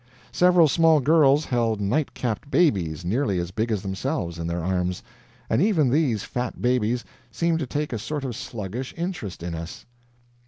Several small girls held night capped babies nearly as big as themselves in their arms, and even these fat babies seemed to take a sort of sluggish interest in us.